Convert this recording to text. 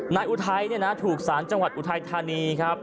นายอุทัยเนี่ยนะถูกสารจังหวัดอุทัยธานีครับ